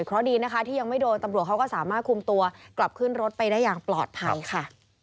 เพราะดีนะคะที่ยังไม่โดนตำรวจเขาก็สามารถคุมตัวกลับขึ้นรถไปได้อย่างปลอดภัยค่ะ